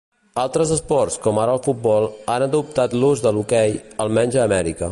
Altres esports com ara el futbol han adoptat l'ús de l'hoquei, almenys a Amèrica.